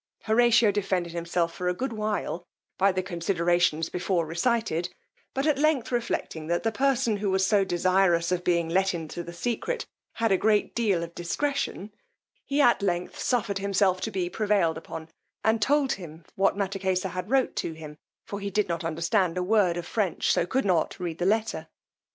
Horatio defended himself for a good while by the considerations before recited; but at length reflecting; that the person who was so desirous of being let into the secret, had a great deal of discretion, he at length suffered himself to be prevailed upon, and told him what Mattakesa had wrote to him, for he did not understand a word of French, so could not read the letter.